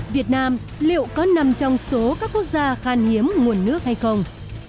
việt nam liệu có nằm trong số các quốc gia khan hiếm nguồn nước hay không